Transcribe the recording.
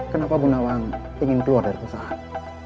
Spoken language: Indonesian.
kenapa gunawan ingin keluar dari perusahaan